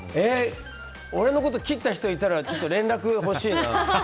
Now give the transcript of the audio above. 俺のこと切った人いたら連絡欲しいな。